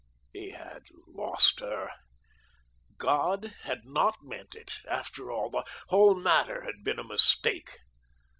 He had lost her. God had not meant it, after all. The whole matter had been a mistake.